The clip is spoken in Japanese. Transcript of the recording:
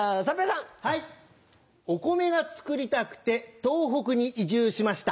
お米が作りたくて東北に移住しました。